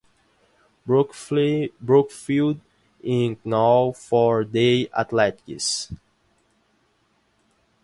Brookfield is known for their athletics.